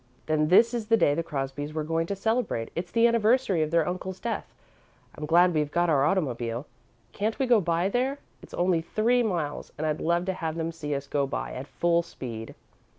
"Then this is the day the Crosbys were going to celebrate it's the anniversary of their uncle's death. I'm glad we've got our automobile. Can't we go by there? It's only three miles, and I'd love to have them see us go by, at full speed."